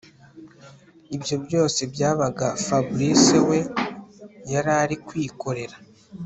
Ibyobyose byabaga Fabric we yarari kwikorera